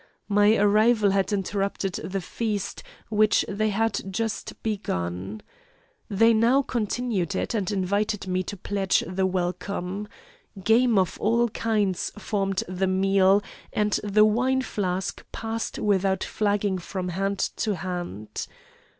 My arrival had interrupted the feast, which they had just begun. They now continued it, and invited me to pledge the welcome. Game of all kinds formed the meal, and the wine flask passed without flagging from hand to hand.